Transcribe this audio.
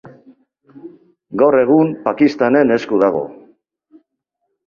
Gaur egun Pakistanen esku dago.